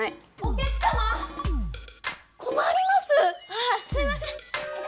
ああすいません！